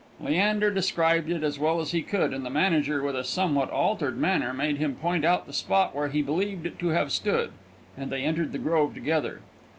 Leander described it as well as he could, and the manager, with a somewhat altered manner, made him point out the spot where he believed it to have stood, and they entered the grove together.